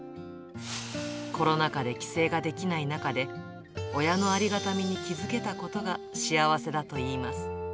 コロナ禍で帰省ができない中で、親のありがたみに気付けたことが幸せだといいます。